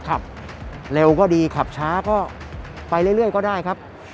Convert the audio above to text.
ขับเร็วก็ดีขับช้าก็ไปเรื่อยก็ได้ครับ